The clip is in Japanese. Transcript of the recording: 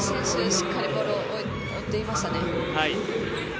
しっかりボールを追っていましたね。